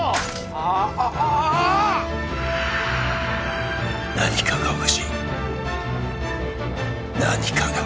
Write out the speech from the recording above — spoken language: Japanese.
あっあああ何かがおかしい